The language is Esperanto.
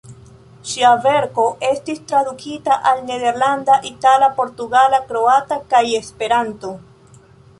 Ŝia verko estis tradukita al nederlanda, itala, portugala, kroata kaj Esperanto.